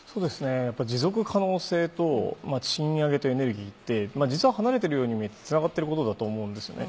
やっぱり持続可能性と賃上げとエネルギーって実は離れているように見えてつながってることだと思うんですよね